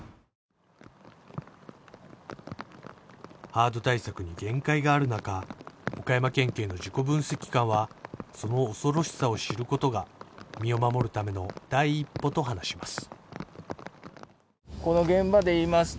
ハード対策に限界がある中岡山県警の自己分析官はその恐ろしさを知ることが身を守るための第一歩と話します